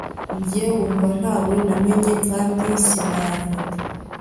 Njye umva ntawe namenya kandi sinayafata